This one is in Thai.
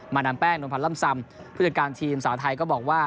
ดามแป้งนวลพันธ์ล่ำซำผู้จัดการทีมสาวไทยก็บอกว่า